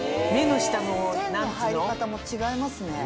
線の入り方も違いますね。